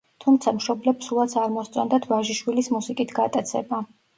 თუმცა მშობლებს სულაც არ მოსწონდათ ვაჟიშვილის მუსიკით გატაცება.